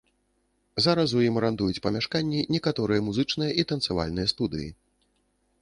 Зараз у ім арандуюць памяшканні некаторыя музычныя і танцавальныя студыі.